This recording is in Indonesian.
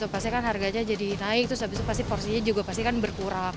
pasti kan harganya jadi naik terus habis itu pasti porsinya juga pasti kan berkurang